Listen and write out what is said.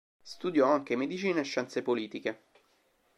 Studiò anche medicina e scienze politiche.